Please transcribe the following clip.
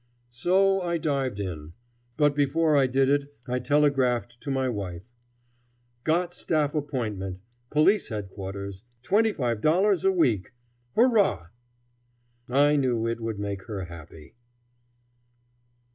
So I dived in. But before I did it I telegraphed to my wife: "Got staff appointment. Police Headquarters. $25 a week. Hurrah!" I knew it would make her happy.